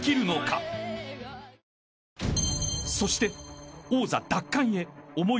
［そして］